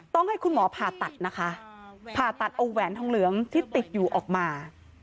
ต้องให้คุณหมอผ่าตัดนะคะผ่าตัดเอาแหวนทองเหลืองที่ติดอยู่ออกมา